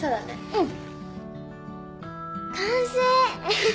うん